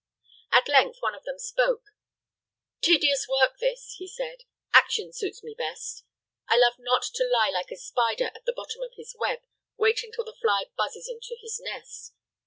At length one of them spoke, "Tedious work this," he said. "Action suits me best. I love not to lie like a spider at the bottom of his web, waiting till the fly buzzes into his nest.